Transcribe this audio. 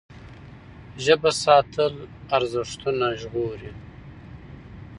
ژبه ساتل ارزښتونه ژغوري.